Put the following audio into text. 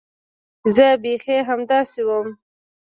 زه بيخي همداسې وم.